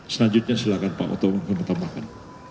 selanjutnya silakan pak woto mengutamakan